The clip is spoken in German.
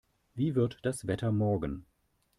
Wie wird das Wetter morgen?